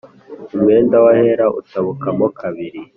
Umwenda w’ahera utabukamo kabiri